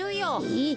えっ！？